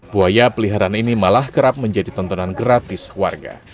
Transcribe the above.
buaya peliharaan ini malah kerap menjadi tontonan gratis warga